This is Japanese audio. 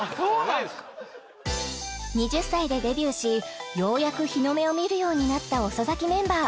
同い年ですか２０歳でデビューしようやく日の目を見るようになった遅咲きメンバー